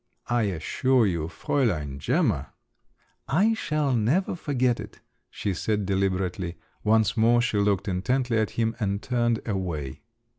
"I assure you, Fräulein Gemma …" "I shall never forget it," she said deliberately; once more she looked intently at him, and turned away.